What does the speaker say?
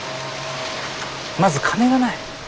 まず金がない。